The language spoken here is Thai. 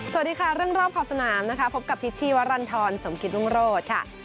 สวัสดีค่ะเรื่องรอบขอบสนามนะคะพบกับพิษชีวรรณฑรสมกิตรุงโรธค่ะ